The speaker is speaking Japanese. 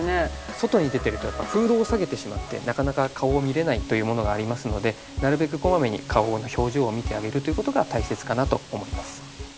外に出てるとフードを下げてしまってなかなか顔を見れないというものがありますのでなるべくこまめに顔の表情を見てあげるという事が大切かなと思います。